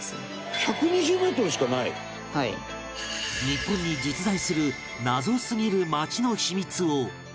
日本に実在する謎すぎる街の秘密を